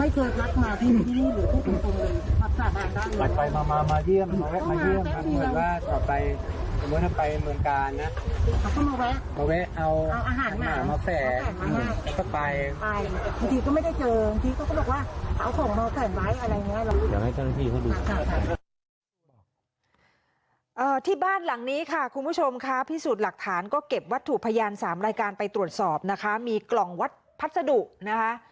สมมุติถ้าไปเมืองกาลนะเอาอาหารมามาแสกก็ไปบ้านหลังนี้ค่ะคุณผู้ชมค่ะพิสูจน์หลักฐานก็เก็บวัตถุพยาน๓รายการไปตรวจสอบนะคะมีกล่องวัดพัสดุนะคะ